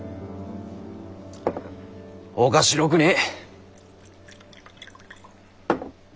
おかしろくねぇ。